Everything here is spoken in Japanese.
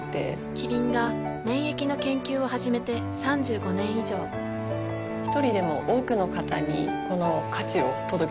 キリンが免疫の研究を始めて３５年以上一人でも多くの方にこの価値を届けていきたいと思っています。